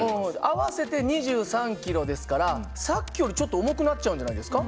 合わせて２３キロですからさっきよりちょっと重くなっちゃうんじゃないですか。